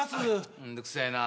めんどくせえな。